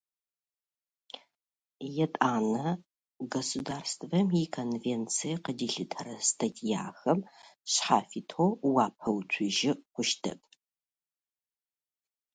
Кроме того, Конвенция не позволяет государствам делать официальные оговорки в отношении ее статей.